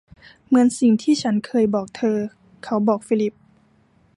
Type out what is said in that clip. เหมือนสิ่งที่ฉันเคยบอกเธอ เขาบอกฟิลิป